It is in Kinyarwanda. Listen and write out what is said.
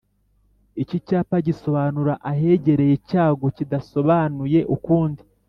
Iki cyapa gisobanura ahegereye icyago kidasobanuye ukundi